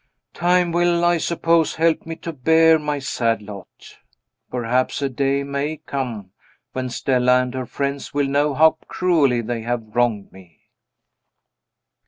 Time will, I suppose, help me to bear my sad lot. Perhaps a day may come when Stella and her friends will know how cruelly they have wronged me.